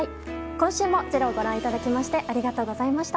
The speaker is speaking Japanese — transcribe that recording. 今週も「ｚｅｒｏ」をご覧いただきましてありがとうございました。